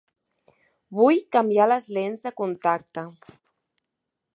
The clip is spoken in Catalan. Vull canviar les lents de contacte.